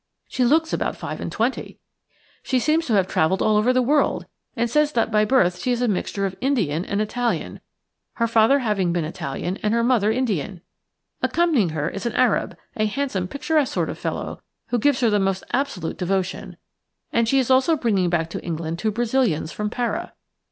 She looks about five and twenty. She seems to have travelled all over the world, and says that by birth she is a mixture of Indian and Italian, her father having been Italian and her mother Indian. Accompanying her is an Arab, a handsome, picturesque sort of fellow, who gives her the most absolute devotion, and she is also bringing back to England two Brazilians from Para.